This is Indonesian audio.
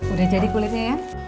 udah jadi kulitnya ya